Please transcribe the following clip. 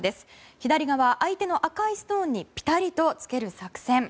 左側、相手の赤いストーンにぴたりとつける作戦。